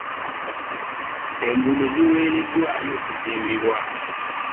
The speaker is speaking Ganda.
Enguudo ziweereddwayo okuzimbibwa.